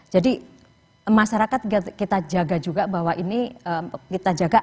jadi masyarakat kita jaga juga bahwa ini kita jaga